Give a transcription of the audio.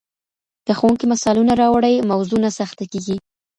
که ښوونکی مثالونه راوړي، موضوع نه سخته کیږي.